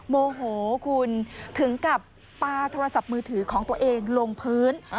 โมโหคุณถึงกับปลาโทรศัพท์มือถือของตัวเองลงพื้น